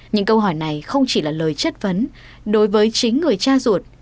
những câu hỏi này không chỉ là lời chất vấn đối với chính người cha ruột